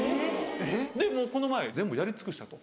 でもうこの前「全部やり尽くした」と。